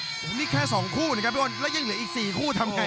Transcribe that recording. โหนี่แค่๒คู่นะครับบิวนยังเหลืออีก๔คู่ทำไง